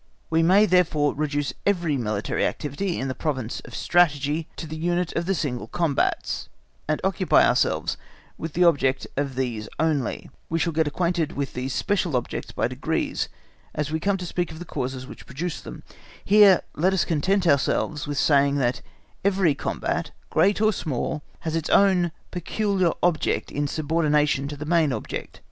We may therefore reduce every military activity in the province of Strategy to the unit of single combats, and occupy ourselves with the object of these only; we shall get acquainted with these special objects by degrees as we come to speak of the causes which produce them; here we content ourselves with saying that every combat, great or small, has its own peculiar object in subordination to the main object.